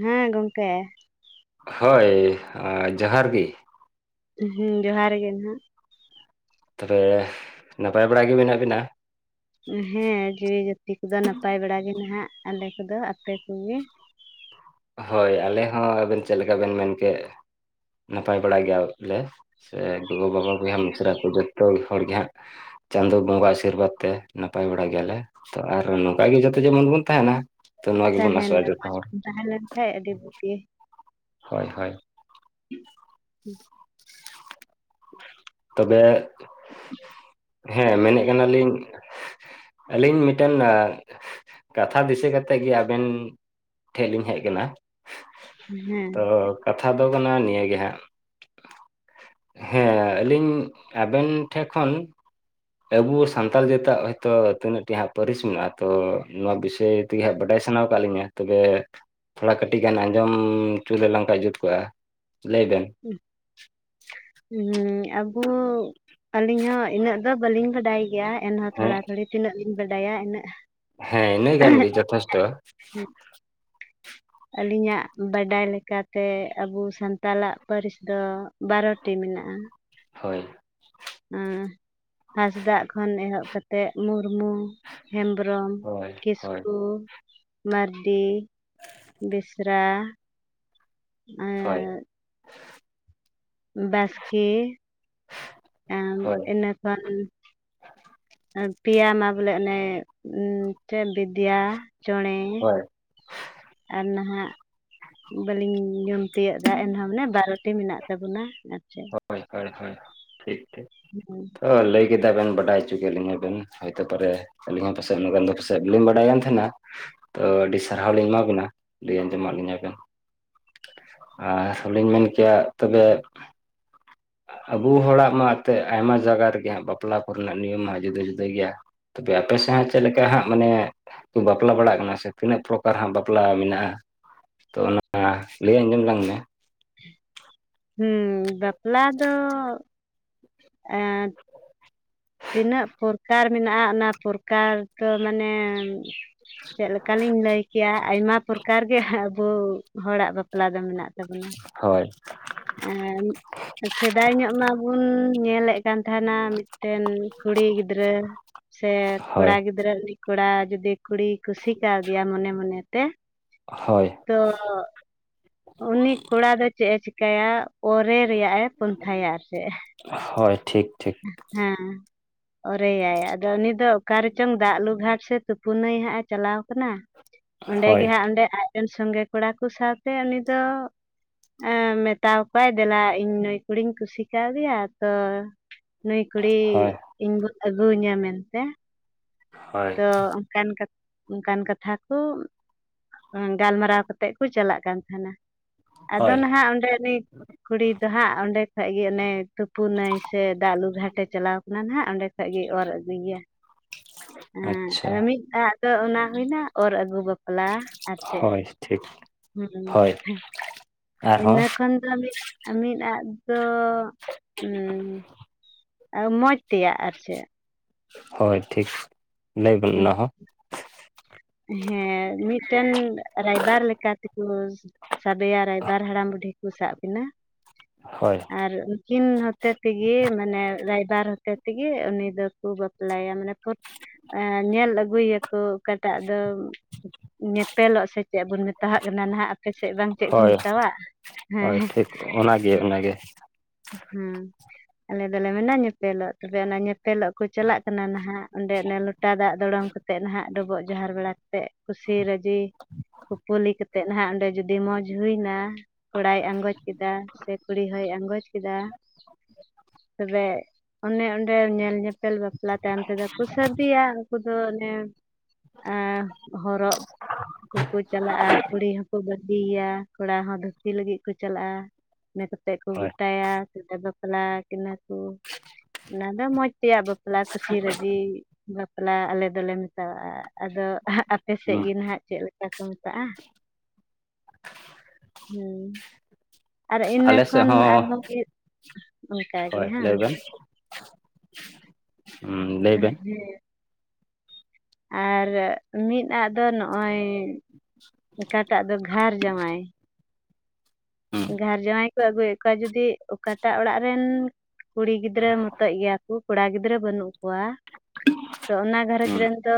ᱦᱮᱸ ᱜᱚᱝᱠᱮ ᱦᱳᱭ ᱟᱸ ᱡᱚᱦᱟᱨ ᱜᱮ᱾ ᱦᱮᱸ ᱡᱚᱦᱟᱨ ᱜᱮ ᱱᱟᱦᱟᱜ᱾ ᱛᱚᱵᱮ ᱱᱟᱯᱟᱭ ᱵᱟᱲᱟ ᱜᱮ ᱢᱮᱱᱟᱜ ᱵᱤᱱᱟ? ᱦᱮᱸ ᱡᱤᱣᱤ ᱡᱟᱹᱛᱤ ᱠᱚᱫᱚ ᱱᱟᱯᱟᱭ ᱵᱟᱲᱟ ᱜᱮ ᱱᱟᱦᱟᱜ ᱟᱞᱮ ᱠᱚᱫᱚ ᱟᱯᱮ ᱠᱚᱜᱮ? [inaudible] ᱦᱳᱭ ᱟᱞᱮ ᱦᱚᱸ ᱟᱵᱮᱱ ᱪᱮᱫ ᱞᱮᱠᱟ ᱵᱮᱱ ᱢᱮᱱ ᱠᱮᱜ? ᱱᱟᱯᱟᱭ ᱵᱟᱲᱟ ᱜᱮᱭᱟᱞᱮ ᱥᱮ ᱜᱚᱜᱚᱼᱵᱟᱵᱟ ᱵᱚᱭᱦᱟ ᱢᱤᱥᱨᱟ ᱠᱚ ᱡᱚᱛᱚ ᱦᱚᱲᱜᱮ ᱦᱟᱸᱜ᱾ ᱪᱟᱸᱫᱳ ᱵᱚᱸᱜᱟ ᱟᱥᱤᱨᱵᱟᱫᱽ ᱛᱮ ᱱᱟᱯᱟᱭ ᱵᱟᱲᱟ ᱜᱮᱭᱟᱞᱮ ᱛᱚ ᱟᱨ ᱱᱚᱝᱠᱟᱜᱮ ᱡᱟᱛᱷᱮ ᱡᱮᱢᱚᱱ ᱵᱚᱱ ᱛᱟᱦᱮᱱᱟ᱾ ᱛᱚ ᱱᱚᱣᱟ ᱜᱮᱵᱚᱱ ᱟᱥᱚᱜᱼᱟ ᱛᱟᱦᱮᱱᱟ ᱡᱚᱛᱚ ᱢᱚᱡᱽ ᱦᱚᱲ ᱛᱟᱦᱮ ᱞᱮᱱᱠᱷᱟᱡ ᱟᱹᱰᱤ ᱵᱩᱜᱤ᱾ ᱦᱳᱭ ᱦᱳᱭ [unintelligible] ᱛᱚᱵᱮ ᱦᱮᱸ ᱢᱮᱱᱮᱜ ᱠᱟᱱᱟᱞᱤᱧ ᱟᱹᱞᱤᱧ ᱢᱤᱫᱴᱮᱱ ᱠᱟᱛᱷᱟ ᱫᱤᱥᱟᱹ ᱠᱟᱛᱮᱫ ᱜᱮ ᱟᱵᱮᱱ ᱴᱷᱮᱜ ᱞᱤᱧ ᱦᱮᱡ ᱟᱠᱟᱱᱟ᱾ ᱦᱮᱸ ᱚᱜᱷᱱᱟ ᱱᱤᱭᱟᱹᱟᱹᱜ ᱜᱮ ᱦᱟᱸᱜ ᱦᱮᱸ ᱟᱹᱞᱤᱧ ᱟᱵᱮᱱ ᱴᱷᱮᱱ ᱠᱷᱚᱱ ᱟᱵᱳ ᱥᱟᱱᱛᱟᱞ ᱡᱟᱹᱛᱟᱜ ᱦᱚᱭᱛᱳ ᱛᱤᱱᱟᱹᱜ ᱴᱤ ᱦᱟᱸᱜ ᱯᱟᱹᱨᱤᱥ ᱢᱮᱱᱟᱜᱼᱟ ᱛᱚ ᱱᱚᱣᱟ ᱵᱤᱥᱚᱭ ᱛᱤ ᱦᱟᱸᱜ ᱵᱟᱰᱟᱭ ᱵᱟᱲᱟᱭ ᱥᱟᱱᱟ ᱠᱟ ᱞᱤᱧᱟᱹ ᱛᱚᱵᱮ ᱛᱷᱚᱲᱟ ᱠᱟᱹᱴᱤᱡ ᱜᱟᱱ ᱟᱸᱡᱚᱢ ᱪᱩ ᱞᱮ ᱞᱟᱝ ᱠᱷᱟᱭ ᱡᱩᱛ ᱠᱚᱜᱼᱟ᱾ ᱞᱟᱹᱭ ᱵᱮᱱ ᱦᱩᱸ ᱟᱵᱚ ᱟᱹᱞᱤᱧ ᱦᱚᱸ ᱤᱱᱟᱹᱜ ᱫᱚ ᱵᱟᱹᱞᱤᱧ ᱵᱟᱰᱟᱭ ᱜᱮᱭᱟ᱾ ᱮᱱᱦᱚᱸ ᱦᱮᱸ ᱛᱷᱚᱲᱟ ᱛᱷᱚᱲᱤ ᱛᱤᱱᱟᱹᱜ ᱞᱤᱧ ᱵᱟᱰᱟᱭᱟ ᱤᱱᱟᱹᱜ ᱦᱮᱸ ᱤᱱᱟᱹ ᱜᱟᱱ ᱜᱮ ᱡᱚᱛᱷᱮᱥᱴᱚ ᱟᱹᱞᱤᱧᱟᱜ ᱵᱟᱰᱟᱭ ᱞᱮᱠᱟᱛᱮ ᱟᱵᱚ ᱥᱟᱱᱛᱟᱞᱟᱜ ᱯᱟᱹᱨᱤᱥ ᱫᱚ ᱵᱟᱨᱚᱴᱤ ᱦᱮᱱᱟᱜᱼᱟ᱾ ᱦᱳᱭ ᱦᱟᱸᱥᱫᱟᱜ ᱠᱷᱚᱱ ᱮᱦᱚᱵ ᱠᱟᱛᱮᱫ ᱢᱩᱨ ᱨᱢᱩ ᱦᱮᱢᱵᱽᱨᱚᱢ ᱦᱳᱭ ᱦᱳᱭ ᱠᱤᱥᱠᱩ ᱢᱟᱹᱨᱰᱤ ᱵᱮᱥᱨᱟ ᱦᱳᱭ ᱮᱸ ᱮ ᱦᱳᱭ ᱤᱱᱟᱹᱠᱷᱟᱱ ᱯᱮᱭᱟ ᱢᱟ ᱵᱚᱞᱮ ᱚᱱᱮ ᱵᱤᱫᱤᱭᱟ ᱪᱚᱬᱮ ᱦᱳᱭ ᱟᱨ ᱱᱟᱦᱟᱜ ᱵᱟᱹᱞᱤᱧ ᱧᱩᱢ ᱛᱤᱭᱳᱜ ᱫᱟ ᱮᱱᱦᱚᱸ ᱢᱟᱱᱮ ᱵᱟᱨᱚᱴᱤ ᱢᱮᱱᱟᱜ ᱛᱟᱵᱚᱱᱟ᱾ ᱟᱨ ᱪᱮᱫ ᱦᱳᱭ ᱦᱳᱭ ᱦᱳᱭ ᱴᱷᱤᱠ ᱴᱷᱤᱠ ᱦᱩᱸ ᱛᱚ ᱞᱟᱹᱭ ᱠᱮᱫᱟ ᱵᱮᱮᱱ ᱵᱟ ᱵᱟᱰᱟᱭ ᱚᱪᱚ ᱠᱮᱫ ᱞᱤᱧᱟ ᱵᱮᱱ ᱦᱚᱭ ᱛᱚ ᱯᱚᱨᱮ ᱟᱹᱞᱤᱧ ᱦᱚᱸ ᱯᱟᱥᱮᱡ ᱩᱱᱟᱱᱟᱹ ᱜᱟᱱ ᱫᱚ ᱯᱟᱥᱮᱡᱞᱤᱧ ᱵᱟᱲᱟᱭ ᱠᱟᱱ ᱛᱟᱦᱮᱱᱟ ᱛᱚ ᱟᱹᱰᱤ ᱥᱟᱨᱦᱟᱣ ᱞᱤᱧ ᱮᱢᱟ ᱵᱮᱱᱟ ᱞᱟᱹᱭ ᱟᱸᱡᱚᱢ ᱟᱜ ᱞᱤᱧᱟᱵᱮᱱ ᱟᱨ ᱦᱚᱞᱮᱧ ᱢᱮᱱ ᱠᱮᱭᱟ ᱛᱚᱵᱮ ᱟᱵᱳ ᱦᱚᱲᱟᱜ ᱢᱟ ᱮᱛᱮ ᱟᱭᱢᱟ ᱡᱟᱭᱜᱟ ᱨᱮᱜᱮ ᱦᱟᱸᱜ ᱵᱟᱯᱞᱟ ᱠᱚᱨᱮᱱᱟᱜ ᱱᱤᱭᱚᱢ ᱢᱟ ᱡᱩᱫᱟᱹ ᱡᱩᱫᱟᱹ ᱜᱮᱭᱟ᱾ ᱛᱚᱵᱮ ᱟᱯᱮ ᱥᱮᱱ ᱪᱮᱫ ᱞᱮᱠᱟ ᱦᱟᱸᱜ ᱢᱟᱱᱮ ᱵᱟᱯᱞᱟ ᱵᱟᱲᱟᱜ ᱠᱟᱱᱟ ᱥᱮ ᱛᱤᱱᱟᱹᱜ ᱯᱨᱚᱠᱟᱨ ᱦᱟᱸᱜ ᱵᱟᱯᱞᱟ ᱢᱮᱱᱟᱜᱼᱟ? ᱛᱚ ᱚᱱᱟ ᱞᱟᱹᱭ ᱟᱧᱡᱚᱢ ᱞᱟᱝ ᱢᱮ ᱦᱩᱸ ᱵᱟᱯᱞᱟ ᱫᱚ ᱮ ᱛᱤᱱᱟᱹᱜ ᱯᱨᱚᱠᱟᱨ ᱢᱮᱱᱟᱜᱼᱟ ᱚᱱᱟ ᱯᱨᱠᱟᱨ ᱫᱚ ᱢᱟᱱᱮ ᱪᱮᱜᱞᱮᱠᱟᱞᱤᱧ ᱞᱟᱹᱭ ᱠᱮᱭᱟ ᱟᱭᱢᱟ ᱯᱨᱚᱠᱟᱨ ᱜᱮ ᱟᱵᱚ ᱦᱚᱲᱟᱜ ᱵᱟᱯᱞᱟ ᱫᱚ ᱢᱮᱱᱟᱜ ᱛᱟᱵᱩᱱᱟ ᱦᱳᱭ ᱮ ᱥᱮᱫᱟᱭ ᱧᱚᱜ ᱢᱟᱵᱚᱱ ᱧᱮᱞᱮᱫ ᱦᱮᱡ ᱠᱟᱱ ᱛᱟᱦᱮᱱᱟ ᱢᱤᱫᱴᱮᱱ ᱠᱩᱲᱤ ᱜᱤᱫᱽᱨᱟᱹ ᱥᱮ ᱠᱚᱲᱟ ᱦᱳᱭ ᱜᱤᱫᱽᱨᱟᱹ ᱠᱚᱲᱟ ᱡᱩᱫᱤ ᱠᱩᱲᱤᱭ ᱠᱩᱥᱤ ᱠᱟᱣᱫᱮᱭᱟ ᱢᱚᱱᱮ ᱢᱚᱱᱮᱛᱮ ᱦᱳᱭ ᱛᱚ ᱩᱱᱤ ᱠᱚᱲᱟ ᱫᱚ ᱪᱮᱫ ᱮ ᱪᱤᱠᱟᱹᱭᱟ ᱚᱨᱮ ᱨᱮᱭᱟᱜᱼ ᱮ ᱯᱚᱱᱛᱷᱟᱭᱟ ᱟᱨ ᱪᱮᱫ ᱦᱳᱭ ᱴᱷᱤᱠ ᱴᱷᱤᱠ ᱦᱮᱸ ᱚᱨᱮᱭᱟᱭ ᱟᱫᱚ ᱩᱱᱤ ᱫᱚ ᱚᱠᱟ ᱨᱮᱪᱚᱝ ᱫᱟᱜ ᱞᱩᱜ ᱜᱷᱟᱴ ᱥᱮ ᱛᱩᱯᱩ ᱱᱟᱹᱭ ᱦᱟᱸᱜ ᱮ ᱪᱟᱞᱟᱣ ᱟᱠᱟᱱᱟ ᱚᱸᱰᱮ ᱦᱳᱭ ᱜᱮᱦᱟᱸᱜ ᱚᱸᱰᱮ ᱟᱡᱨᱮ ᱨᱮᱱ ᱥᱚᱸᱜᱮ ᱠᱚᱲᱟ ᱠᱚ ᱥᱟᱶᱛᱮ ᱩᱱᱤ ᱫᱚ ᱢᱮᱛᱟᱟᱣ ᱠᱚᱣᱟᱭ ᱫᱮᱞᱟ ᱤᱧ ᱱᱩᱭ ᱠᱩᱲᱤᱧ ᱠᱩᱥᱤ ᱠᱟᱣᱫᱮᱭᱟ ᱛᱚ ᱱᱩᱭ ᱠᱩᱲᱤ ᱦᱳᱭ ᱤᱧ ᱟᱹᱜᱩ ᱤᱧᱟ ᱢᱮᱱᱛᱮ ᱦᱳᱭ ᱛᱚ ᱚᱱᱠᱟᱚᱱᱠᱟ ᱚᱱᱠᱟᱱ ᱠᱟᱛᱷᱟ ᱠᱚ ᱜᱟᱞᱢᱟᱨᱟᱣ ᱠᱟᱛᱮᱫ ᱠᱚ ᱪᱟᱞᱟᱜ ᱠᱟᱱ ᱛᱟᱦᱮᱱᱟ ᱟᱫᱚ ᱦᱳᱭ ᱱᱟᱦᱟᱜ ᱚᱸᱰᱮᱤᱡ ᱠᱩᱲᱤ ᱫᱚ ᱦᱟᱸᱜ ᱚᱸᱰᱮ ᱠᱷᱚᱡᱜᱤ ᱚᱱᱮ ᱛᱩᱯᱩᱱᱟᱭ ᱥᱮ ᱫᱟᱜ ᱞᱩ ᱜᱷᱟᱴᱮ ᱪᱟᱞᱟᱣ ᱚᱱᱟ ᱱᱟᱱᱟᱜ ᱚᱸᱰᱮ ᱠᱷᱚᱡ ᱜᱮ ᱚᱨ ᱟᱹᱜᱩᱭᱮᱭᱟ ᱟᱪᱪᱷᱟ ᱦᱮᱸᱫᱚ ᱢᱤᱫ ᱫᱷᱟᱣ ᱫᱚ ᱚᱱᱟ ᱦᱩᱭᱱᱟ ᱚᱨ ᱟᱹᱜᱩ ᱵᱟᱯᱞᱟ ᱟᱨ ᱪᱮᱫ ᱦᱳᱭ ᱴᱷᱤᱠ ᱦᱳᱭ ᱦ ᱟᱨᱦᱚᱸ ᱤᱱᱟᱹ ᱠᱷᱚᱱ ᱫᱚᱢ ᱛᱚ ᱢᱚᱡᱽ ᱛᱮᱭᱟᱜ ᱟᱨ ᱪᱮᱫ [unintelligible] ᱦᱳᱭ ᱴᱷᱤᱠ ᱞᱟᱹᱭ ᱵᱤᱱ ᱚᱱᱟ ᱦᱚᱸᱚᱸ ᱦᱮᱸ ᱢᱤᱫᱴᱮᱱ ᱨᱟᱭᱵᱟᱨ ᱞᱮᱠᱟ ᱛᱮᱠᱚ ᱥᱟᱰᱮᱭᱟ ᱨᱟᱭᱵᱟᱨ ᱦᱟᱲᱟᱢ ᱵᱩᱰᱷᱤ ᱠᱚ ᱥᱟᱵ ᱮᱱᱟ ᱦ [inaudible] ᱟᱨ ᱩᱱᱠᱤᱱ ᱦᱚᱛᱮ ᱛᱮᱜᱮ ᱢᱟᱱᱮ ᱨᱟᱭᱵᱟᱨ ᱦᱚᱛᱮ ᱛᱮᱜᱮ ᱩᱱᱤ ᱫᱚ ᱵᱟᱯᱞᱟᱭᱟ ᱢᱟᱱᱮ ᱧᱮᱞ ᱟᱹᱜᱩᱭᱟᱠᱚ ᱚᱠᱟ ᱮᱴᱟᱜ ᱫᱚ ᱧᱮᱯᱮᱞᱚᱜ ᱥᱮ ᱪᱮᱫ ᱵᱚᱱ ᱢᱮᱛᱟᱜ ᱠᱟᱱᱟ ᱱᱟᱦᱟᱜ ᱯᱟᱪᱮᱫ ᱵᱟᱝ ᱪᱮᱫ ᱠᱚ ᱦᱳᱭ ᱢᱮᱛᱟᱜ ᱦᱳᱭ ᱦᱮᱸ ᱴᱷᱤᱠ ᱚᱱᱟᱜᱮ ᱦᱸ ᱚᱱᱟᱜᱮ ᱦᱮᱸ ᱟᱞᱮ ᱫᱚᱞᱮ ᱢᱮ ᱧᱮᱯᱮᱞᱚᱜ ᱛᱚᱵᱮ ᱚᱱᱟ ᱮᱯᱮᱞᱚᱜ ᱠᱚ ᱪᱟᱞᱟᱜ ᱠᱟᱱᱟ ᱱᱟᱦᱟᱜ ᱚᱸᱰᱮ ᱚᱱ ᱞᱚᱴᱟ ᱫᱟᱜ ᱫᱚᱲᱚᱢ ᱠᱟᱛᱮ ᱛᱮᱫ ᱱᱟᱦᱟᱜ ᱰᱚᱵᱚᱜ ᱡᱚᱦᱟᱨ ᱵᱟᱲᱟ ᱠᱟᱛᱮᱫ ᱠᱩᱥᱤ ᱨᱟᱹᱡᱤ ᱠᱩᱯᱩᱞᱤ ᱠᱟᱛᱮᱫ ᱱᱟᱦᱟᱜ ᱚᱸᱰᱮ ᱡᱩᱫᱤ ᱟᱹᱰᱤ ᱢᱚᱸᱡᱽ ᱦᱩᱭ ᱮᱱᱟ ᱠᱚᱲᱟᱭ ᱟᱸᱜᱚᱪ ᱠᱮᱫᱟ ᱥᱮ ᱠᱩᱲᱤ ᱦᱚᱭ ᱟᱸᱜᱚᱪ ᱠᱮᱫ ᱛᱚᱵᱮ ᱚᱱᱮ ᱚᱸᱰᱮ ᱧᱮᱞ ᱧᱮᱯᱮᱞ ᱵᱟᱯᱞᱟ ᱪᱮᱛᱟᱱ ᱛᱮᱫᱚ ᱠᱚ ᱥᱟᱨᱫᱤᱭᱟ ᱩᱱᱠᱩ ᱫᱚ ᱚᱱᱮ ᱦᱚᱨᱚᱜ ᱠᱚᱠᱚ ᱪᱟᱞᱟᱜᱼᱟ ᱠᱩᱲᱤ ᱦᱚᱸᱠᱚ ᱵᱟᱫᱮᱭᱟ ᱠᱚᱲᱟ ᱦᱚᱸ ᱫᱷᱩᱛᱤ ᱞᱟᱹᱜᱤᱫ ᱠᱚ ᱪᱟᱞᱟᱜᱼᱟ ᱤᱱᱟᱹ ᱠᱟᱛᱮᱫ ᱠᱚ ᱦᱳᱭ ᱜᱚᱴᱟᱭᱟ ᱛᱞ ᱵᱟᱯᱞᱟ ᱠᱤᱱᱟᱹ ᱠᱚ ᱚᱱᱟ ᱫᱚ ᱢᱚᱸᱡᱽ ᱛᱮᱭᱟᱜ ᱵᱟᱯᱞᱟ ᱠᱩᱥᱤ ᱨᱟᱹᱡᱤ ᱵᱟᱯᱞᱟ ᱟᱞᱮ ᱫᱚᱞᱮ ᱢᱮᱛᱟᱣᱟᱜᱼᱟ ᱟᱫᱚ ᱟᱯᱮ ᱥᱮᱫ ᱦᱩᱸ ᱜᱮ ᱱᱟᱦᱟᱜ ᱪᱮᱫ ᱞᱮᱠᱟ ᱠᱚ ᱢᱮᱛᱟᱜᱼᱟ ᱦᱮᱸ ᱟᱨ ᱤᱱᱟᱹ ᱟᱞᱮ ᱥᱮᱫ ᱠᱷᱚᱱ ᱦᱚᱸ ᱟᱨᱦᱚᱸ ᱚᱱᱠᱟᱜᱮ ᱦᱳᱭ ᱦᱮᱸ ᱞᱟᱹᱭ ᱦᱮᱸ ᱞᱟᱹᱭ ᱵᱤᱱ ᱟᱨ ᱢᱤᱫ ᱟᱜ ᱫᱚ ᱱᱚᱜ ᱚᱠᱟᱴᱟᱜ ᱫᱚ ᱜᱷᱟᱨ ᱡᱟᱶᱟᱭ ᱦᱩᱸ ᱜᱷᱟᱨ ᱡᱟᱶᱟᱭ ᱠᱚ ᱟᱹᱜᱩᱭᱮᱫ ᱠᱚᱣᱟ ᱡᱫᱤ ᱚᱠᱟᱴᱟᱜ ᱚᱲᱟᱜ ᱨᱮᱱ ᱠᱩᱲᱤ ᱜᱤᱫᱽᱨᱟᱹ ᱢᱚᱛᱚᱡ ᱜᱮᱭᱟ ᱠᱚ ᱠᱚᱲᱟ ᱜᱤᱫᱽᱨᱟᱹ ᱵᱟᱹᱱᱩᱜ ᱠᱚᱣᱟ ᱛᱚ ᱚᱱᱟ ᱜᱷᱟᱨᱚᱸᱧᱡᱽ ᱦᱩᱸ ᱨᱮᱱ ᱫᱚ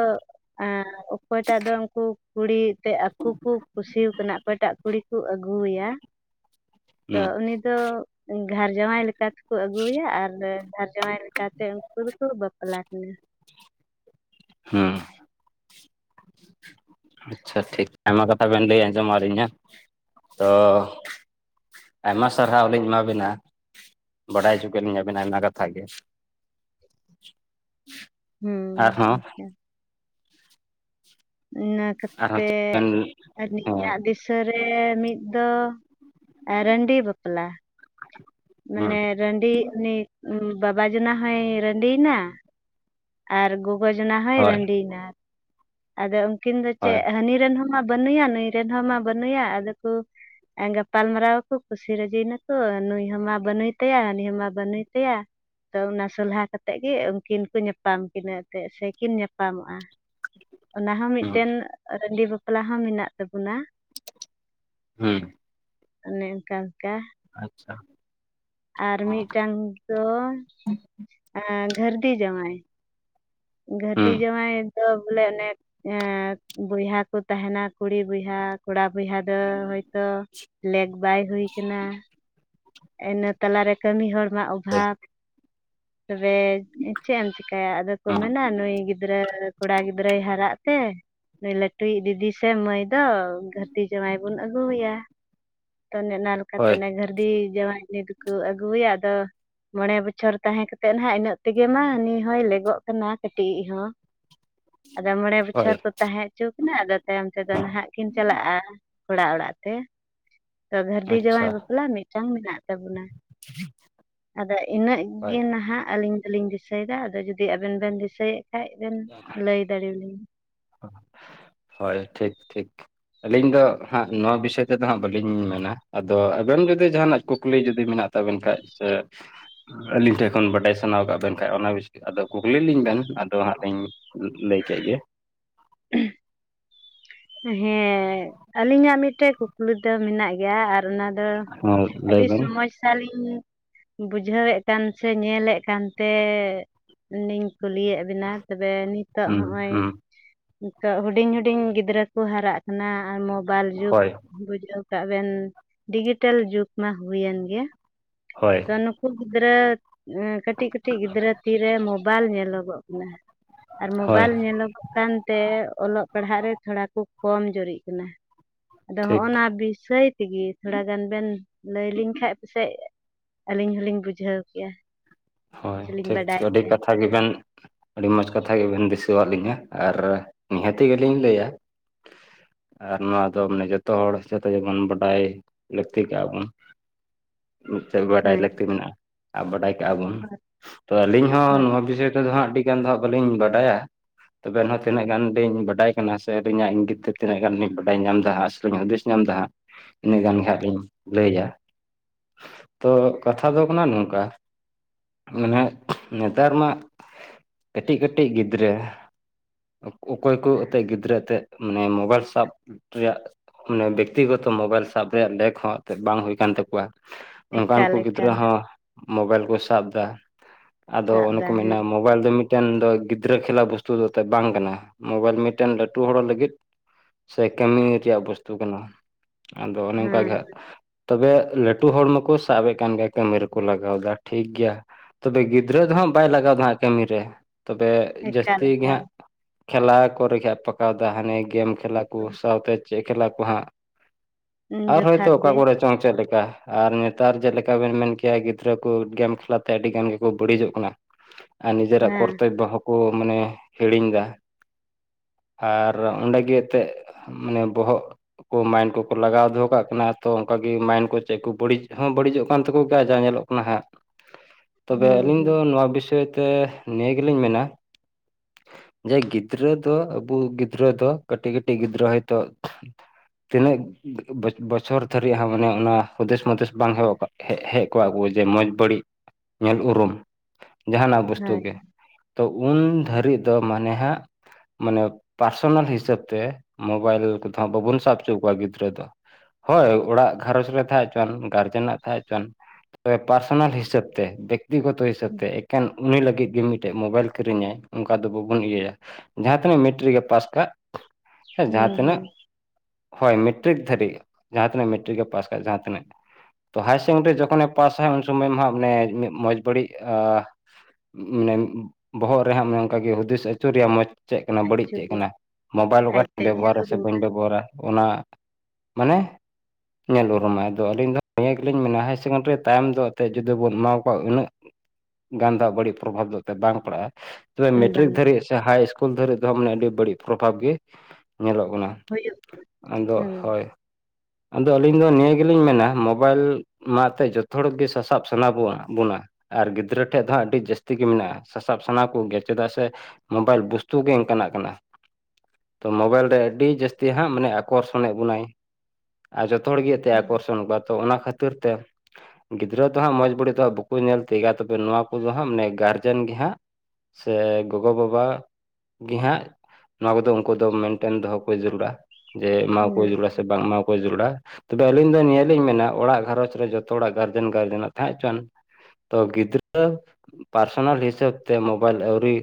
ᱟᱨ ᱚᱠᱚᱭᱴᱟᱜ ᱫᱚ ᱩᱱᱠᱩ ᱠᱩᱲᱤ ᱛᱮ ᱟᱠᱚ ᱠᱩ ᱠᱩᱥᱤᱣᱟᱠ ᱚᱠᱚᱭᱴᱟᱜ ᱠᱩᱲᱤ ᱠᱚ ᱟᱹᱜᱩᱭᱟ ᱛᱚ ᱦᱩᱸ ᱩᱱᱤ ᱫᱚ ᱜᱷᱟᱨ ᱡᱟᱶᱟᱭ ᱛᱮᱠᱚ ᱟᱹᱜᱩᱭᱟ ᱟᱨ ᱜᱷᱟᱨ ᱡᱟᱶᱟᱭ ᱞᱮᱠᱟᱛᱮ ᱠᱚ ᱠᱚ ᱵᱟᱯᱞᱟᱟᱜ ᱦᱮᱸ ᱟᱪᱪᱷᱟ ᱴᱷᱤᱠ ᱟᱭᱢᱟ ᱠᱟᱛᱷᱟ ᱵᱮᱱ ᱞᱟᱹᱭ ᱟᱸᱡᱚᱢᱟᱜ ᱞᱤᱧᱟ ᱛᱚ ᱟᱭᱢᱟ ᱥᱟᱨᱦᱟᱣ ᱞᱤᱧ ᱮᱢᱟ ᱵᱤᱱᱟ ᱵᱟᱰᱟᱭ ᱦᱚᱪᱚ ᱠᱮᱫ ᱞᱤᱧᱟᱵᱤᱱ ᱟᱭᱢᱟ ᱠᱟᱛᱷᱟ ᱜᱮ ᱦᱮᱸ ᱟᱨᱦᱚᱸ ᱚᱱᱠᱟ ᱤᱱᱟᱹ ᱟᱨᱦᱚᱸ ᱠᱟᱛᱮᱜ ᱦᱮᱸ ᱟᱹᱞᱤᱧᱟᱜ ᱫᱤᱥᱟᱹ ᱨᱮ ᱢᱤᱫ ᱫᱚ ᱨᱟᱺᱰᱤ ᱵᱟᱯᱞᱟ ᱦᱮᱸ ᱢᱟᱱᱮ ᱨᱟᱺᱰᱤ ᱩᱱᱤ ᱵᱟᱵᱟ ᱡᱚᱱᱟ ᱦᱚᱭ ᱨᱟᱺᱰᱤᱭᱮᱱᱟ ᱟᱨ ᱜᱚ ᱜᱚ ᱡᱚᱱᱟ ᱦᱚᱸᱭ ᱦᱳᱭ ᱨᱟᱺᱰᱤᱭᱮᱱᱟ ᱟᱫᱚ ᱩᱱᱠᱤᱱ ᱫᱚ ᱪᱮᱫ ᱦᱳᱭ ᱦᱟᱹᱱᱤ ᱨᱮᱱ ᱦᱚᱸ ᱢᱟ ᱵᱟᱹᱱᱩᱭᱟ ᱱᱩᱭᱨᱮᱱ ᱦᱚᱸ ᱢᱟ ᱵᱟᱹᱱᱩᱭᱟ ᱟᱫᱚ ᱠᱚ ᱜᱟᱯᱟᱞ ᱢᱟᱨᱟᱣ ᱠᱚ ᱠᱩᱥᱤ ᱨᱟᱡᱤ ᱱᱟᱠᱚ ᱱᱩᱭᱼᱼ ᱱᱩᱭ ᱦᱚ ᱢᱟ ᱵᱟᱱᱩᱭ ᱛᱟᱭᱟ ᱦᱟᱱᱤ ᱦᱚ ᱢᱟ ᱵᱥᱱᱩᱭ ᱛᱟᱭᱟ ᱛᱚ ᱚᱱᱟ ᱥᱚᱞᱦᱟ ᱠᱟᱛᱮᱜ ᱜᱮ ᱩᱱᱠᱤᱱ ᱠᱚ ᱧᱟᱯᱟᱢ ᱠᱤᱱᱟᱹ ᱥᱮ ᱥᱮ ᱠᱤᱱ ᱧᱟᱯᱟᱢᱚᱜᱼᱟ [inaudible] ᱚᱱᱟ ᱦᱚᱸ ᱦᱩᱸ ᱢᱤᱫᱴᱮᱱ ᱨᱟᱺᱰᱤ ᱵᱟᱯᱞᱟ ᱦᱚᱸ ᱢᱮᱱᱟᱜ ᱛᱟᱵᱚᱱᱟ ᱦᱩᱸ ᱚᱱᱮ ᱚᱱᱠᱟ ᱞᱮᱠᱟ ᱟᱪᱪᱷᱟ ᱟᱨ ᱢᱤᱫᱴᱟᱝ ᱫᱚ ᱮᱻ ᱜᱷᱟᱹᱨᱫᱤ ᱡᱟᱶᱟᱭ ᱜᱷᱟᱹᱨᱫᱤ ᱦᱩᱸ ᱡᱟᱶᱟᱭ ᱮᱱᱼᱼ ᱫᱚ ᱵᱚᱞᱮ ᱱᱮ ᱵᱚᱭᱦᱟ ᱠᱚ ᱛᱟᱦᱮᱱᱟ ᱠᱩᱲᱤ ᱵᱚᱭᱦᱟ ᱠᱚᱲᱟ ᱵᱚᱭᱦᱟ ᱫᱚ ᱦᱚᱭᱛᱚ ᱞᱮᱠ ᱵᱟᱭ ᱦᱩᱭ ᱠᱟᱱᱟ ᱤᱱᱟᱹ ᱛᱟᱞᱟᱨᱮ ᱠᱟᱹᱢᱤ ᱦᱚᱲ ᱢᱟ ᱚᱵᱷᱟᱵᱽ ᱨᱮ ᱪᱮᱫ ᱮᱢ ᱪᱤᱠᱟᱹ ᱦᱮᱸ ᱟᱫᱚ ᱠᱚ ᱦᱩᱸ ᱢᱮᱱᱟ ᱱᱩᱭ ᱜᱤᱫᱽ ᱜᱤᱫᱽᱨᱟᱹ ᱠᱚᱲᱟ ᱜᱤᱫᱽᱨᱟᱹᱭ ᱦᱟᱨᱟᱜ ᱛᱮ ᱱᱩᱭ ᱞᱟᱹᱴᱩᱭᱤᱡ ᱫᱤᱫᱤ ᱥᱮ ᱢᱟᱹᱭᱼᱼ ᱫᱚ ᱜᱷᱟᱹᱫᱽᱫᱤ ᱡᱟᱶᱟᱭ ᱵᱚᱱ ᱟᱹᱜᱩᱣᱟᱭᱟ ᱛᱚ ᱱᱮᱰᱟ ᱞᱮᱠᱟᱛᱮ ᱦᱳᱭ ᱜᱷᱟᱹᱨᱫᱤ ᱡᱟᱶᱟᱭ ᱩᱱᱤ ᱫᱚᱠᱚ ᱟᱹᱜᱩᱣᱟᱭᱟ ᱟᱫᱚ ᱢᱚᱬᱮ ᱵᱚᱪᱷᱚᱨ ᱛᱟᱦᱮᱸ ᱠᱟᱛᱮᱫ ᱦᱟᱸᱜ ᱤᱱᱟᱹᱜ ᱛᱮᱜᱮ ᱢᱟ ᱩᱱᱤ ᱦᱚᱭ ᱞᱮᱜᱚᱜ ᱠᱟᱱᱟ ᱠᱟᱹᱴᱤ-ᱤᱜ ᱦᱚᱸ ᱟᱫᱚ ᱢᱚᱬᱮ ᱦᱳᱭ ᱵᱚᱪᱷᱚᱨ ᱠᱚ ᱛᱟᱦᱮᱸ ᱦᱚᱪᱚ ᱟᱹᱠᱤᱱᱟ ᱟᱫᱚ ᱛᱟᱭᱚᱢ ᱛᱮᱫᱚ ᱱᱟᱦᱟᱜ ᱠᱤᱱ ᱪᱟᱞᱟᱜᱼᱟ ᱚᱲᱟᱜ ᱚᱲᱟᱜ ᱛᱮ ᱛᱚ ᱜᱷᱟᱹᱨᱫᱤ ᱡᱟᱶᱟᱭ ᱟᱪᱪᱷᱟ ᱵᱟᱯᱞᱟ ᱢᱤᱫᱴᱟᱝ ᱢᱮᱱᱟᱜ ᱛᱟᱵᱚᱱᱟ ᱟᱫᱚ ᱤᱱᱟᱹᱜ ᱦᱳᱭ ᱜᱮ ᱱᱟᱦᱟᱜ ᱟᱹᱞᱤᱧ ᱵᱟᱞᱤᱧ ᱫᱤᱥᱟᱹᱭᱮᱫᱟ ᱟᱫᱚ ᱡᱩᱫᱤ ᱟᱵᱮᱱ ᱵᱮᱱ ᱫᱤᱥᱟᱹᱭᱮᱫ ᱠᱷᱟᱡ ᱵᱮᱱ ᱞᱟᱹᱭ ᱫᱟᱲᱮᱟᱞᱤᱧᱟ ᱦᱳᱭ ᱴᱷᱤᱠ ᱴᱷᱤᱠ ᱟᱹᱞᱤᱧ ᱫᱚ ᱦᱟᱸᱜ ᱱᱚᱣᱟ ᱵᱤᱥᱚᱭ ᱛᱮᱫᱚ ᱦᱟᱸᱜ ᱵᱟᱹᱞᱤᱧ ᱢᱮᱱᱟ ᱟᱫᱚ ᱟᱵᱮᱱ ᱡᱩᱫᱤ ᱡᱟᱦᱟᱱᱟᱜ ᱠᱩᱠᱞᱤ ᱡᱩᱫᱤ ᱢᱮᱱᱟᱜ ᱛᱟᱵᱮᱱ ᱠᱷᱟᱡ ᱥᱮ ᱟᱹᱞᱤᱧ ᱴᱷᱮᱱ ᱠᱷᱚᱱ ᱵᱟᱰᱟᱭ ᱥᱟᱱᱟ ᱠᱟᱜ ᱵᱮᱱ ᱠᱷᱟᱡ ᱚᱱᱟ ᱵᱤᱥᱚ ᱟᱫᱚ ᱠᱩᱠᱞᱤ ᱞᱤᱧ ᱵᱮᱱ ᱟᱫᱚ ᱦᱟᱸᱜ ᱤᱧ ᱞᱟᱹ ᱞᱟᱹᱭ ᱠᱮᱜ ᱜᱮ ᱩᱦ ᱦᱮᱸ ᱟᱹᱞᱤᱧᱟᱜ ᱢᱤᱫᱴᱮᱡ ᱠᱩᱠᱞᱤ ᱫᱚ ᱢᱮᱱᱟᱜ ᱜᱮᱭᱟ ᱟᱨ ᱚᱱᱟ ᱫᱚ ᱞᱟᱹᱭ ᱟᱹᱰᱤ ᱵᱮᱱ ᱥᱚᱢᱚᱥᱥᱟ ᱞᱤᱧ ᱵᱩᱡᱷᱟᱹᱣᱮᱫ ᱠᱟᱱ ᱥᱮ ᱧᱮᱞᱮᱫ ᱠᱟᱱᱛᱮ ᱱᱤᱝ ᱠᱩᱞᱤᱭᱮᱫ ᱵᱤᱱᱟ ᱛᱚᱵᱮ ᱱᱤᱛᱚᱜ ᱦᱩᱸ ᱦᱚᱸᱜᱼᱚᱭ ᱦᱩᱸ ᱱᱤᱛᱚᱜ ᱦᱩᱰᱤᱧ ᱦᱩᱰᱤᱧ ᱜᱤᱫᱽᱨᱟᱹ ᱠᱚ ᱦᱟᱨᱟᱜ ᱠᱟᱱᱟ ᱟᱨ ᱢᱳᱵᱟᱭᱤᱞ ᱡᱩᱜᱽ ᱦᱳᱭ ᱵᱩᱡᱷᱟᱹᱣᱼᱼ ᱠᱟᱜ ᱵᱮᱱ ᱰᱤᱡᱤᱴᱮᱞ ᱡᱩᱜᱽ ᱢᱟ ᱦᱩᱭᱮᱱ ᱜᱮ ᱦᱳᱭ ᱛᱚ ᱱᱩᱠᱩ ᱜᱤᱫᱽᱨᱟᱹ ᱠᱟᱹᱴᱤᱡ ᱠᱟᱹᱴᱤᱡ ᱜᱤᱫᱽᱨᱟᱹ ᱛᱤᱨᱮ ᱢᱳᱵᱟᱭᱤᱞ ᱧᱮᱞᱚᱜ ᱜᱚᱜ-ᱠᱟᱱᱟ ᱟᱨ ᱦᱳᱭ ᱢᱳᱵᱟᱭᱤᱞ ᱧᱮᱞᱚᱜᱚᱜ ᱠᱟᱱᱛᱮ ᱚᱞᱚᱜ ᱯᱟᱲᱦᱟᱜ ᱨᱮ ᱛᱷᱚᱲᱟ ᱠᱚ ᱠᱚᱢ ᱡᱳᱨᱤᱜ ᱠᱟᱱᱟ ᱟᱫᱚ ᱦᱚᱜᱼ ᱴᱷᱤᱠ ᱱᱟ ᱵᱤᱥᱚᱭ ᱛᱤᱜᱤ ᱛᱷᱚᱲᱟ ᱜᱟᱱ ᱵᱮᱱ ᱞᱟᱹᱭ ᱞᱤᱧ ᱠᱷᱟᱱ ᱯᱮᱥᱮᱡ ᱟᱹᱞᱤᱧ ᱦᱚᱞᱤᱧ ᱵᱩᱡᱷᱟᱹᱣ ᱠᱮᱭᱟ ᱦᱚᱭ ᱥᱮᱞᱤᱧ ᱴᱷᱤᱠ ᱵᱟᱰᱟᱭ ᱟᱹᱰᱤ ᱠᱮᱭᱟ ᱠᱟᱛᱷᱟ ᱜᱮᱵᱮᱱ ᱟᱹᱰᱤ ᱢᱚᱡᱽ ᱠᱟᱛᱷᱟ ᱜᱮᱵᱮᱱ ᱫᱤᱥᱟᱹᱣᱟᱜ ᱞᱤᱧᱟ ᱟᱨ ᱱᱤᱦᱟᱹᱛᱤ ᱜᱮᱞᱤᱧ ᱞᱟᱹᱭᱟ ᱟᱨ ᱱᱚᱣᱟ ᱫᱚ ᱢᱟᱱᱮ ᱡᱚᱛᱚ ᱦᱚᱲ ᱦᱚᱪᱚ ᱛᱮᱜᱮᱵᱚᱱ ᱵᱟᱰᱟᱭ ᱞᱟᱹᱠᱛᱤ ᱠᱟᱜᱼᱟ ᱵᱚᱱ ᱪᱮᱫ ᱵᱟᱰᱟᱭ ᱦᱳᱭ ᱞᱟᱹᱠᱛᱤ ᱢᱮᱱᱟᱜᱼᱟ ᱟᱨ ᱵᱟᱰᱟᱭ ᱠᱟᱜᱼᱟ ᱵᱚᱱ ᱛᱚ ᱟᱹᱞᱤᱧ ᱦᱚᱸ ᱦᱳᱭ ᱱᱚᱣᱟ ᱵᱤᱥᱚᱭ ᱛᱮᱫᱚ ᱦᱟᱸᱜ ᱟᱹᱰᱤᱜᱟᱱ ᱫᱚ ᱦᱟᱸᱜ ᱵᱟᱹᱞᱤᱧ ᱵᱟᱰᱟᱭᱟ ᱛᱚᱵᱮᱱ ᱦᱚᱸ ᱛᱤᱱᱟᱹᱜ ᱜᱟᱱ ᱞᱤᱧ ᱵᱟᱰᱟᱭ ᱠᱟᱱᱟ ᱥᱮ ᱟᱹᱞᱤᱧ ᱤᱝᱜᱤᱛ ᱛᱮ ᱛᱤᱱᱟᱹᱜ ᱜᱟᱱᱤᱧ ᱵᱟᱰᱟᱭ ᱧᱟᱢᱫᱟ ᱟᱥᱚᱞᱤᱧ ᱦᱩᱫᱤᱥ ᱧᱟᱢ ᱦᱟᱸᱜ ᱤᱱᱟᱹ ᱜᱟᱱ ᱦᱟᱸᱜ ᱞᱤᱧ ᱞᱟᱹᱭᱟ ᱛᱚ ᱠᱟᱛᱷᱟ ᱫᱚ ᱠᱟᱱᱟ ᱱᱚᱝᱠᱟ ᱢᱟᱱᱮ ᱱᱮᱛᱟᱨ ᱢᱟ ᱠᱟᱹᱴᱤᱡ ᱠᱟᱹᱴᱤᱡ ᱜᱤᱫᱽᱨᱟᱹ ᱚᱠᱚᱭ ᱠᱚ ᱟᱛᱮ ᱜᱤᱫᱽᱨᱟᱹ ᱟᱛᱮ ᱢᱟᱱᱮ ᱢᱳᱵᱟᱭᱤᱞ ᱥᱟᱵ ᱨᱮᱭᱟᱜ ᱚᱱᱮ ᱵᱮᱠᱛᱤᱜᱚᱛᱚ ᱢᱳᱵᱟᱭᱤᱞ ᱥᱟᱵ ᱨᱮᱭᱟᱜ ᱞᱮᱠ ᱦᱚᱸ ᱮᱱᱛᱮᱫ ᱵᱟᱝ ᱦᱩᱭ ᱠᱟᱱ ᱛᱟᱠᱚᱣᱟ ᱚᱱᱠᱟᱱ ᱮᱠᱟᱞ ᱠᱚ ᱜᱤᱫᱽᱨᱟᱹ ᱮᱠᱟᱞ ᱦᱚᱸ ᱢᱳᱵᱟᱭᱤᱞ ᱠᱚ ᱥᱟᱵ ᱫᱟ ᱟᱫᱚ ᱥᱟᱵ ᱚᱱᱮ ᱫᱟ ᱠᱚ ᱢᱮᱱᱟ ᱦᱮᱸ ᱢᱳᱵᱟᱭᱤᱞ ᱫᱚ ᱢᱤᱫ ᱢᱤᱫᱴᱮᱱ ᱫᱚ ᱜᱤᱫᱽᱨᱟᱹ ᱠᱷᱮᱞᱟ ᱵᱚᱥᱛᱩ ᱫᱚ [unintelligible] ᱵᱟᱝ ᱠᱟᱱᱟ ᱢᱳᱵᱟᱭᱤᱞ ᱢᱤᱫᱴᱮᱱ ᱞᱟᱹᱴᱩ ᱦᱚᱲ ᱞᱟᱹᱜᱤᱫ ᱥᱮ ᱠᱟᱹᱢᱤ ᱨᱮᱭᱟᱜ ᱵᱚᱥᱛᱩ ᱠᱟᱱᱟ ᱟᱫᱚ ᱚᱱᱮ ᱦᱮᱸ ᱚᱱᱠᱟᱜᱮ ᱦᱟᱸᱜ ᱛᱚᱵᱮ ᱞᱟᱹᱴᱩ ᱦᱚᱲ ᱢᱟᱠᱚ ᱥᱟᱵᱮᱫ ᱠᱟᱱ ᱜᱮᱭᱟ ᱠᱟᱹᱢᱤ ᱨᱮᱠᱚ ᱞᱟᱜᱟᱣ ᱮᱫᱟ ᱴᱷᱤᱠ ᱜᱮᱭᱟ ᱛᱚᱵᱮ ᱜᱤᱫᱽᱨᱟᱹ ᱫᱚᱦᱟᱸᱜ ᱵᱟᱭ ᱞᱟᱜᱟᱣ ᱫᱟ ᱦᱟᱸᱜ ᱠᱟᱹᱢᱤ ᱨᱮ ᱛᱚᱵᱮ ᱮᱠᱟᱞ ᱡᱟᱹᱥᱛᱤ ᱜᱮ ᱮᱠᱟᱞ ᱦᱟᱸᱜ ᱠᱷᱮᱞᱟ ᱠᱚᱨᱮᱜᱮ ᱯᱟᱠᱟᱣᱫᱟ ᱦᱟᱱᱮ ᱜᱮᱢ ᱠᱷᱮᱞᱟ ᱠᱚ ᱥᱟᱶᱛᱮ ᱪᱮᱫ ᱠᱷᱮᱞᱟ ᱠᱚ ᱦᱟᱸᱜ ᱦᱩᱸ, ᱟᱨ ᱦᱚᱭᱛᱳ ᱡᱚᱛᱷᱟᱛ ᱚᱠᱟ ᱜᱮ ᱠᱚᱨᱮ ᱪᱚᱝ [unintelligible] ᱞᱮᱠᱟ ᱟᱨ ᱱᱮᱛᱟᱨ ᱪᱮᱫᱮᱠᱟ ᱵᱮᱱ ᱢᱮᱱ ᱠᱮᱭᱟ ᱜᱤᱫᱽᱨᱟᱹ ᱠᱩ ᱜᱮᱢ ᱠᱷᱮᱞᱟ ᱟᱹᱰᱤ ᱜᱟᱱ ᱜᱮᱠᱚ ᱵᱟᱹᱲᱤᱡᱚᱜ ᱠᱟᱱᱟ ᱟᱨ ᱱᱤᱡᱮᱨᱟᱜ ᱦᱮᱸ ᱠᱚᱨᱛᱚᱵᱽᱵᱚ ᱦᱚᱸᱠᱚ ᱢᱟᱱᱮ ᱦᱤᱲᱤᱧᱫᱟ ᱟᱨ ᱚᱸᱰᱮ ᱜᱮ ᱮᱛᱮᱫ ᱢᱟᱱᱮ ᱵᱚᱦᱚᱜ ᱠᱚ ᱢᱟᱭᱤᱱᱰ ᱠᱚᱠᱚ ᱞᱟᱜᱟᱣ ᱫᱚᱦᱚ ᱠᱟᱜ ᱠᱟᱱᱟ ᱛᱚ ᱚᱱᱠᱟᱜ ᱜᱮ ᱢᱟᱭᱤᱱᱰ ᱠᱚ ᱪᱮᱫ ᱠᱚ ᱵᱟᱹᱲᱤᱡ ᱦᱚᱸ ᱵᱟᱹᱲᱤᱡᱚᱜ ᱠᱟᱱ ᱛᱟᱠᱚ ᱜᱮᱭᱟ ᱡᱟ ᱧᱮᱞᱚᱜ ᱦᱟᱸᱜ ᱛᱚᱵᱮ ᱦᱩᱸ ᱟᱹᱞᱤᱧ ᱦᱩᱸ ᱫᱚ ᱱᱚᱣᱟ ᱵᱤᱥᱚᱭ ᱛᱮ ᱱᱤᱭᱟᱹ ᱜᱮᱞᱤᱧ ᱢᱮᱱᱟ ᱡᱮ ᱜᱤᱫᱽᱨᱟᱹ ᱫᱚ ᱟᱵᱩ ᱜᱤᱫᱽᱨᱟᱹ ᱫᱚ ᱠᱟᱹᱴᱤᱡ ᱠᱟᱹᱴᱤᱡ ᱜᱤᱫᱽᱨᱟᱹ ᱦᱚᱭᱛᱳ ᱛᱤᱱᱟᱹᱜ ᱵᱚᱪᱷᱚᱨ ᱫᱷᱟᱹᱨᱤᱡ ᱢᱟᱱᱮ ᱚᱱᱟ ᱦᱩᱫᱮᱥ [unintelligible] ᱵᱟᱝ ᱦᱮᱡ [unintelligible] ᱡᱮ ᱢᱚᱡᱽ ᱵᱟᱹᱲᱤᱡ ᱧᱮᱞ ᱩᱨᱩᱢ ᱡᱟᱦᱟᱱᱟᱜ ᱵᱚᱥᱛᱩ ᱦᱳᱭ ᱜᱮ ᱛᱚ ᱩᱱ ᱫᱷᱟᱹᱨᱤᱡ ᱫᱚ ᱢᱟᱱᱮ ᱦᱟᱸᱜ ᱢᱟᱱᱮ ᱯᱟᱨᱥᱚᱱᱟᱞ ᱦᱤᱥᱟᱹᱵ ᱛᱮ ᱢᱳᱵᱟᱭᱤᱞ ᱠᱚᱫᱚ [unintelligible] ᱵᱟᱵᱩᱱ ᱥᱟᱵ ᱪᱚ ᱠᱚᱣᱟ ᱜᱤᱫᱽᱨᱟᱹ ᱫᱚ ᱦᱳᱭ ᱚᱲᱟᱜ ᱜᱷᱟᱨᱚᱸᱧᱡᱽ ᱨᱮ ᱛᱟᱦᱮᱸ ᱦᱚᱪᱚᱣᱟᱱ ᱜᱟᱨᱡᱮᱱ ᱱᱟᱜ ᱛᱟᱦᱮᱸ ᱦᱚᱪᱚᱣᱟᱱ ᱛᱚᱵᱮ ᱯᱟᱨᱥᱚᱱᱟᱞ ᱦᱤᱥᱟᱹᱵ ᱛᱮ ᱵᱮᱠᱛᱤᱜᱚᱛᱚ ᱦᱤᱥᱟᱹᱵ ᱛᱮ ᱮᱠᱮᱱ ᱩᱱᱤ ᱞᱟᱹᱜᱤᱫ ᱜᱮ ᱢᱤᱫᱴᱮᱡ ᱢᱳᱵᱟᱭᱤᱞ ᱠᱤᱨᱤᱧᱟᱭ ᱚᱱᱠᱟ ᱫᱚ ᱵᱟᱵᱚᱱ ᱤᱭᱟᱹᱭᱟ ᱡᱟᱦᱟᱸ ᱛᱤᱱᱟᱹᱜ ᱢᱮᱴᱨᱤᱠ ᱮ ᱯᱟᱥ ᱠᱟᱜ ᱥᱮ ᱦᱩ ᱡᱟᱦᱟᱸ ᱦᱩ ᱛᱤᱱᱟᱹᱜ ᱦᱳᱭ ᱢᱮᱴᱨᱤᱠ ᱫᱷᱟᱹᱨᱤᱡ ᱡᱟᱦᱟᱸ ᱛᱤᱱᱟᱹᱜ ᱢᱮᱴᱨᱤᱠ ᱮ ᱯᱟᱥ ᱠᱟᱜ ᱡᱟᱦᱟᱸ ᱛᱤᱱᱟᱹᱜ ᱛᱚ ᱦᱟᱭᱟᱨ ᱥᱮᱠᱮᱱᱰᱟᱨᱤ ᱡᱚᱠᱷᱚᱱᱮ ᱯᱟᱥᱟ ᱩᱱ ᱥᱚᱢᱚᱭ ᱢᱟ ᱢᱟᱱᱮ ᱢᱚᱡᱽ ᱵᱟᱹᱲᱤᱡ ᱟ ᱢᱟᱱᱮ ᱵᱚᱦᱚᱜ ᱨᱮᱦᱟᱸᱜ ᱚᱱᱠᱟᱜᱮ ᱦᱩᱫᱤᱥ ᱟᱹᱪᱩᱨ ᱨᱮᱭᱟᱜ ᱢᱚᱡᱽ ᱪᱮᱫ ᱠᱟᱱᱟ ᱵᱟᱹᱲᱤᱡ ᱟᱹᱪᱩ ᱪᱮᱫ ᱜᱮ ᱠᱟᱱᱟ ᱢᱳᱵᱟᱭᱤᱞ ᱟᱡᱛᱮ ᱚᱠᱟᱴᱷᱮᱱᱧ ᱧᱮᱞ ᱵᱮᱵᱚᱦᱟᱨᱟ ᱥᱮ ᱩᱨᱩᱢᱟ ᱵᱟᱹᱧ ᱵᱮᱵᱚᱦᱟᱨᱟ ᱚᱱᱟ ᱢᱟᱱᱮ ᱧᱮᱞ ᱩᱨᱩᱢᱟᱭ ᱟᱫᱚ ᱟᱹᱞᱤᱧ ᱫᱚ ᱱᱤᱭᱟᱹ ᱜᱮᱞᱤᱧ ᱢᱮᱱᱟ ᱦᱟᱭᱟᱨ ᱥᱮᱠᱮᱱᱰᱟᱨᱤ ᱛᱟᱭᱚᱢ ᱫᱚ ᱮᱛᱮᱫ ᱡᱩᱫᱤ ᱵᱚᱱ ᱮᱢᱟ ᱩᱱᱟᱹᱜ ᱜᱟᱱ ᱫᱚ ᱵᱟᱹᱲᱤᱡ ᱯᱨᱚᱵᱷᱟᱵᱽ ᱫᱚ ᱮ ᱵᱟᱝ ᱯᱟᱲᱟᱜᱼᱟ ᱛᱚᱵᱮ ᱢᱮᱴᱨᱤᱠ ᱵᱟᱝ ᱫᱷᱟᱨᱤᱡ ᱥᱮ ᱦᱟᱭ ᱤᱥᱠᱩᱞ ᱩᱞ ᱫᱷᱟᱹᱨᱮ ᱫᱚ ᱢᱟᱱᱮ ᱟᱹᱰᱤ ᱵᱟᱹᱲᱤᱡ ᱯᱨᱚᱵᱷᱟᱵᱽ ᱜᱮ ᱧᱮᱞᱚᱜ ᱠᱟᱱᱟ ᱦᱩᱭᱩᱜ ᱟᱫᱚ ᱦᱩᱸ ᱦᱳᱭ ᱟᱫᱚ ᱟᱹᱞᱤᱧ ᱫᱚ ᱱᱤᱭᱟᱹ ᱜᱮᱞᱤᱧ ᱢᱮᱱᱟ ᱢᱳᱵᱟᱭᱤᱞ ᱢᱟ ᱮᱛᱮᱫ ᱡᱚᱛᱚ ᱦᱚᱲ ᱜᱮ ᱥᱟᱥᱟᱵ ᱥᱟᱱᱟ ᱵᱚᱣᱟ ᱵᱚᱱᱟ ᱟᱨ ᱜᱤᱫᱽᱨᱟᱹ ᱴᱷᱮᱡ ᱦᱚᱸ ᱟᱹᱰᱤ ᱡᱟᱹᱥᱛᱤ ᱜᱮ ᱢᱮᱱᱟᱜᱼᱟ ᱥᱟᱥᱟᱵ ᱥᱟᱱᱟ ᱠᱚᱜᱮᱭᱟ ᱪᱮᱫᱟᱜ ᱥᱮ ᱢᱳᱵᱟᱭᱤᱞ ᱵᱩᱥ ᱛᱩ ᱜᱮ ᱚᱱᱠᱟᱱᱟᱜ ᱠᱟᱱᱟ ᱛᱚ ᱢᱳᱵᱟᱭᱤᱞ ᱨᱮ ᱟᱹᱰᱤ ᱡᱟᱹᱥᱛᱤ ᱦᱟᱸᱜ ᱢᱟᱱᱮ ᱟᱠᱚᱨᱥᱚᱱᱮᱫ ᱵᱚᱱᱟᱭ ᱟᱨ ᱡᱚᱛᱚ ᱡᱚᱛᱚ ᱦᱚᱲ ᱜᱮ ᱮᱛᱮ ᱟᱠᱚᱨᱥᱚᱱ ᱠᱚᱣᱟ ᱛᱚ ᱚᱱᱟ ᱠᱷᱟᱹᱛᱤᱨ ᱛᱮ ᱜᱤᱫᱽᱨᱟᱹ ᱫᱚ ᱦᱟᱸᱜ ᱢᱚᱸᱡᱽ ᱵᱟᱹᱲᱤᱡᱽ ᱫᱚ [unintelligible] ᱠᱚ ᱧᱮᱞ ᱛᱮᱜᱮ ᱛᱚᱵᱮ ᱱᱚᱣᱟ ᱠᱚᱫᱚ ᱦᱟᱸᱜ ᱢᱟᱱᱮ ᱜᱟᱨᱡᱮᱱ ᱜᱮ ᱦᱟᱸᱜ ᱥᱮ ᱜᱚᱜᱚ ᱵᱟᱵᱟ ᱜᱮ ᱦᱟᱸᱜ ᱱᱚᱣᱟ ᱠᱚᱫᱚ ᱩᱱᱠᱩ ᱫᱚ ᱢᱮᱱᱴᱮᱱ ᱫᱚᱦᱚ ᱠᱚ ᱡᱟᱹᱨᱩᱲᱟ ᱡᱮ ᱮᱢᱟ ᱠᱚ ᱦᱩᱸ ᱡᱟᱹᱨᱩᱲᱟ ᱥᱮ ᱵᱟᱝ ᱮᱢᱟ ᱠᱚ ᱡᱟᱹᱨᱩᱲᱟ ᱛᱚᱵᱮ ᱟᱹᱞᱤᱧ ᱫᱚ ᱱᱤᱭᱟᱹ ᱞᱤᱧ ᱢᱮᱱᱟ ᱚᱲᱟᱜ ᱜᱷᱟᱨᱚᱸᱡᱽ ᱨᱮ ᱡᱚᱛᱚ ᱦᱚᱲᱟᱜ ᱜᱟᱨᱡᱮᱱ ᱜᱟᱨᱡᱮᱱᱟᱜ ᱛᱟᱦᱮᱸ ᱦᱚᱪᱟᱱ ᱛᱚ ᱜᱤᱫᱽᱨᱟᱹ ᱯᱟᱨᱥᱚᱱᱟᱞ ᱦᱤᱥᱟᱹᱵ ᱛᱮ ᱢᱳᱵᱟᱭᱤᱞ ᱟᱹᱣᱨᱤ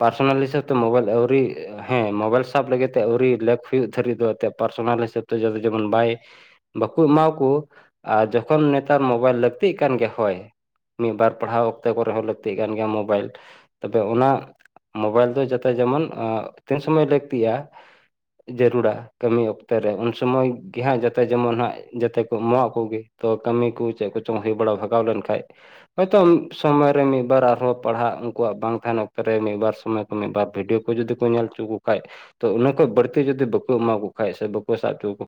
ᱯᱟᱨᱥᱚᱱᱟᱞ ᱦᱤᱥᱟᱹᱵ ᱛᱮ ᱢᱳᱵᱟᱭᱤᱞ ᱟᱹᱣᱨᱤ ᱦᱮᱸ ᱢᱳᱵᱟᱭᱤᱞ ᱥᱟᱵ ᱞᱟᱹᱜᱤᱫ ᱛᱮ ᱟᱹᱣᱨᱤ ᱞᱮᱠ ᱫᱷᱟᱹᱨᱤᱡ ᱫᱚ ᱛᱮ ᱯᱟ ᱥᱚᱱᱟᱞ ᱦᱤᱥᱟᱹᱵ ᱛᱮ [unintelligible] ᱡᱮᱢᱚᱱ ᱵᱟᱭ ᱵᱟᱠᱩ ᱮᱢᱟ ᱠᱩ ᱟᱨ ᱡᱚᱠᱷᱚᱱ ᱱᱮᱛᱟᱨ ᱢᱳᱵᱟᱭᱤᱞ ᱞᱟᱹᱠᱛᱤᱜ ᱠᱟᱱ ᱜᱮᱭᱟ ᱦᱳᱭ ᱢᱤᱫ ᱵᱟᱨ ᱯᱟᱲᱦᱟᱣ ᱚᱠᱛᱮ ᱠᱚᱨᱮ ᱦᱚᱸ ᱞᱟᱹᱠᱛᱤᱜ ᱠᱟᱱ ᱜᱮᱭᱟ ᱢᱳᱵᱟᱭᱤᱞ ᱛᱚᱵᱮ ᱚᱱᱟ ᱢᱳᱵᱟᱭᱤᱞ ᱫᱚ ᱡᱟᱛᱮ ᱡᱮᱢᱚᱱ ᱚᱸ ᱛᱤᱱ ᱥᱚᱢᱚᱭ ᱞᱟᱹᱠᱛᱤᱜ-ᱟ? ᱡᱟᱹᱨᱩᱲᱟ ᱠᱟᱹᱢᱤ ᱚᱠᱛᱮ ᱨᱮ ᱩᱱ ᱥᱚᱢᱚᱭ ᱜᱮᱦᱟᱸᱜ ᱡᱟᱛᱮ ᱡᱮᱢᱚᱱ ᱦᱟᱸᱜ ᱡᱟᱛᱮ ᱠᱚ ᱢᱚᱣᱟᱜ ᱠᱚᱜᱮ ᱛᱚ ᱠᱟᱹᱢᱤ ᱠᱚ ᱪᱮᱫ ᱠᱚ ᱪᱚᱝ ᱦᱳᱭ ᱵᱟᱲᱟ ᱦᱟᱠ ᱦᱟᱣ ᱞᱮᱱᱠᱷᱟᱡ ᱦᱚᱭᱛᱚ ᱥᱚᱢᱚᱭ ᱨᱮ ᱢᱤᱫᱵᱟᱨ ᱟᱨᱦᱚᱸ ᱯᱟᱲᱦᱟᱜ ᱩᱱᱠᱩᱣᱟᱜ ᱵᱟᱝ ᱛᱟᱦᱮᱱ ᱚᱠᱛᱚ ᱨᱮ ᱢᱤᱫᱵᱟᱨ ᱥᱚ [unintelligible] ᱢᱤᱫ ᱵᱟᱨ ᱵᱷᱤᱰᱭᱳ ᱠᱚ ᱚᱱᱟ ᱠᱚ ᱢᱤᱫ ᱵᱟᱨ ᱵᱷᱤᱰᱤᱭᱳ ᱠᱚ ᱡᱩᱫᱤ ᱠᱚ ᱧᱮᱞ ᱪᱚ ᱠᱚ ᱠᱷᱟᱡ ᱛᱚ ᱚᱱᱟ ᱠᱷᱚᱡ ᱵᱟᱹᱲᱛᱤ ᱡᱩᱫᱤ ᱵᱟᱠᱩ ᱮᱢᱟ ᱠᱚ ᱠᱷᱟᱱᱡ ᱥᱮ ᱵᱟᱠᱚ ᱥᱟᱵ ᱪᱚᱼᱼ